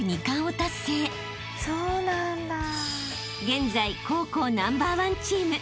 ［現在高校ナンバーワンチーム。